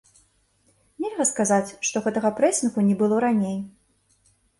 Нельга сказаць, што гэтага прэсінгу не было раней.